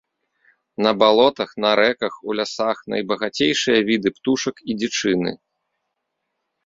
На балотах, на рэках, у лясах найбагацейшыя віды птушак і дзічыны.